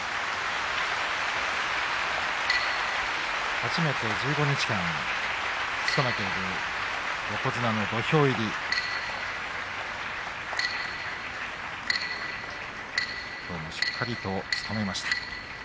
初めて１５日間、務めている横綱の土俵入りきょうもしっかりと務めました。